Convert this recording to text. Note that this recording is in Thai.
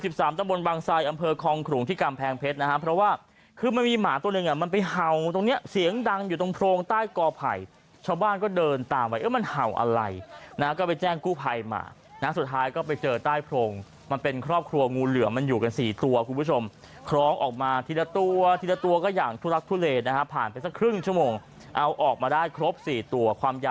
สามตะบนบางทรายอำเภอคองขรุงที่กำแพงเพชรนะครับเพราะว่าคือมันมีหมาตัวนึงอ่ะมันไปเห่าตรงเนี้ยเสียงดังอยู่ตรงโพรงใต้ก่อไผ่ชาวบ้านก็เดินตามไว้เอ้ยมันเห่าอะไรนะก็ไปแจ้งกู้ไพ่หมานะสุดท้ายก็ไปเจอใต้โพรงมันเป็นครอบครัวงูเหลือมันอยู่กันสี่ตัวคุณผู้ชมคล้องออกมาทีละตัวทีละตัวก็อย